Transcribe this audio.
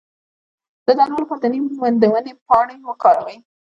د دانو لپاره د نیم د ونې پاڼې وکاروئ